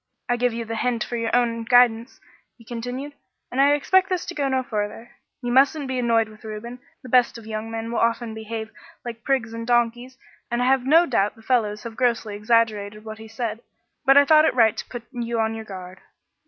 I give you the hint for your own guidance,' he continued, 'and I expect this to go no farther. You mustn't be annoyed with Reuben. The best of young men will often behave like prigs and donkeys, and I have no doubt the fellows have grossly exaggerated what he said; but I thought it right to put you on your guard.'